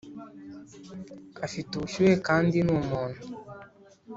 afite ubushyuhe kandi ni umuntu,